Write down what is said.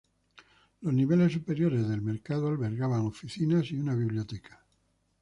Los niveles superiores del mercado albergaban oficinas y una biblioteca.